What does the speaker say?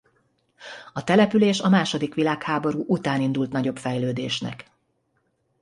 A település a második világháború után indult nagyobb fejlődésnek.